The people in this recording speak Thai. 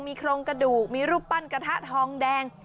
มีโครงกระดูกมีรูปปั้นกระทะทองแดง